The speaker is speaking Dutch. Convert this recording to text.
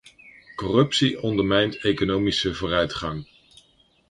Corruptie ondermijnt economische vooruitgang.